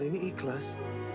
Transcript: ari ini ikhlas